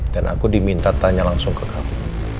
dan aku diminta tanya langsung ke kamu